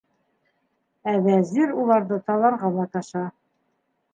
Ә Вәзир уларҙы таларға маташа.